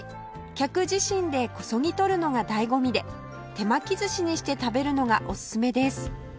客自身でこそぎ取るのが醍醐味で手巻き寿司にして食べるのがおすすめです